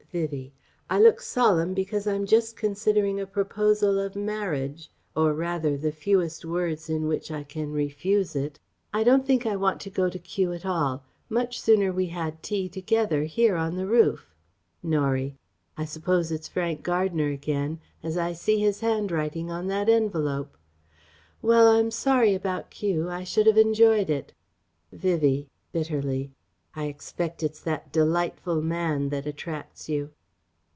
Vivie: "I look solemn because I'm just considering a proposal of marriage or rather, the fewest words in which I can refuse it. I don't think I want to go to Kew at all ... much sooner we had tea together, here, on the roof..." Norie: "I suppose it's Frank Gardner again, as I see his handwriting on that envelope. Well I'm sorry about Kew I should have enjoyed it..." Vivie (bitterly): "I expect it's that 'delightful man' that attracts you."